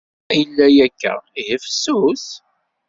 Ma yella akka, ihi fessus.